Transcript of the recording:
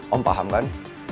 om paham kan